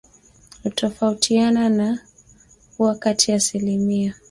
hutofautiana na huwa kati ya asilimia